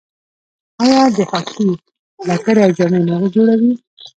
آیا د هاکي لکړې او جامې نه جوړوي؟